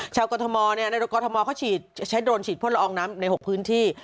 กรทมในกรทมเขาฉีดใช้โดรนฉีดพ่นละอองน้ำใน๖พื้นที่